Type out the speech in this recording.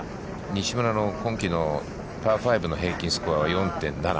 西村の今季のパー５の平均スコアは、４．７。